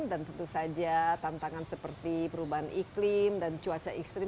dan tentu saja tantangan seperti perubahan iklim dan cuaca ekstrim